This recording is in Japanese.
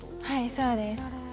はいそうです。